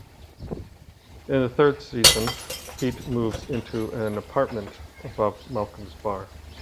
In the third season, Pete moves into an apartment above Malcolm's bar.